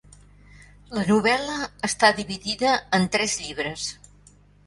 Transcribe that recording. La novel·la està dividida en tres llibres.